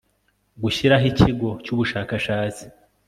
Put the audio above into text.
Gushyiraho Ikigo cy Ubushakashatsi